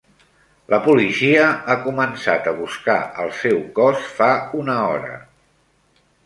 La policia ha començat a buscar el seu cos fa una hora.